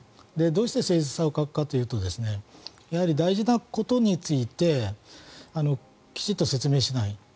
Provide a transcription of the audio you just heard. どうして誠実さを欠くかといいますとやはり大事なことについてきちんと説明しない。